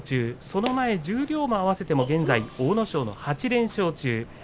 その前十両も合わせても現在阿武咲８連勝中です。